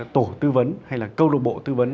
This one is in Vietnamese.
tổ tư vấn hay là câu lục bộ tư vấn